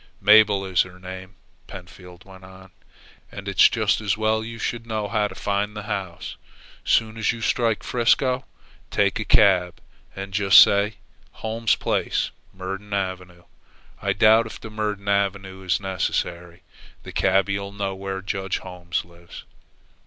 "Mabel is her name," Pentfield went on. "And it's just as well you should know how to find the house. Soon as you strike 'Frisco, take a cab, and just say, 'Holmes's place, Myrdon Avenue' I doubt if the Myrdon Avenue is necessary. The cabby'll know where Judge Holmes lives.